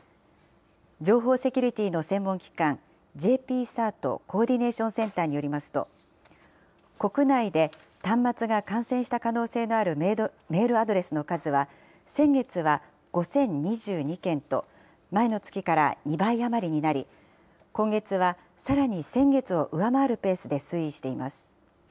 情報セキュリティーの専門機関、ＪＰＣＥＲＴコーディネーションセンターによりますと、国内で端末が感染した可能性のあるメールアドレスの数は、先月は５０２２件と、前の月から２倍余りになり、今月はさらに先月を上回るペースで推移しています。